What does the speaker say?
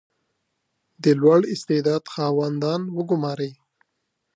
• د لوړ استعداد خاوندان وګمارئ.